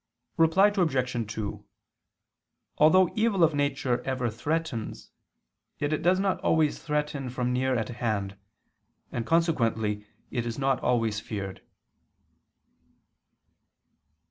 Reply Obj. 2: Although evil of nature ever threatens, yet it does not always threaten from near at hand: and consequently it is not always feared.